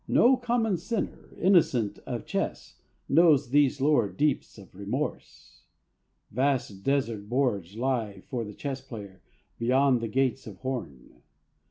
no common sinner innocent of chess knows these lower deeps of remorse. Vast desert boards lie for the chess player beyond the gates of horn.